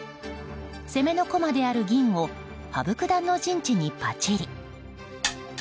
攻めの駒である銀を羽生九段の陣地にパチリ。